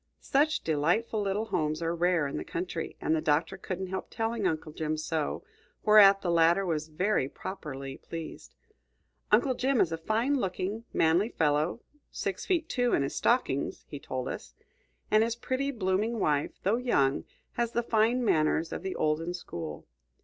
Such delightful little homes are rare in the country, and the Doctor couldn't help telling Uncle Jim so, whereat the latter was very properly pleased. Uncle Jim is a fine looking, manly fellow, six feet two in his stockings, he told us; and his pretty, blooming wife, though young, has the fine manners of the olden school.